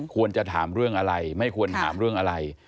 ควรจะถามเรื่องอะไรไม่ควรถามเรื่องอะไร